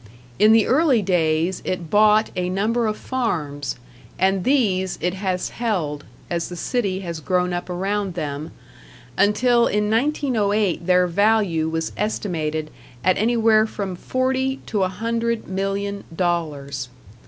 In the early days it bought a number of farms, and these it has held, as the city has grown up around them, until in 1908 their value was estimated at anywhere from forty to a hundred million dollars.